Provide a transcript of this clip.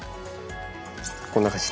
こんな感じ。